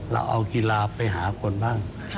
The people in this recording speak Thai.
เราเอากีฬาไปหาคนบ้าง